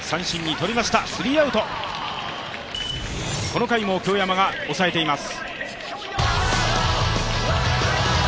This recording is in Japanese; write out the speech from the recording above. この回も京山が抑えています。